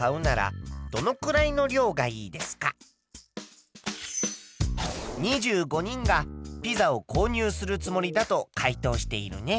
１つ目はもう一つは２５人がピザを購入するつもりだと回答しているね。